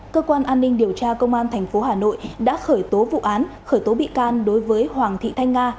cơ quan an ninh điều tra công an tp hà nội đã khởi tố vụ án khởi tố bị can đối với hoàng thị thanh nga